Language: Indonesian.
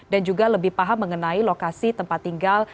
dan juga lebih paham mengenai lokasi tempat tinggal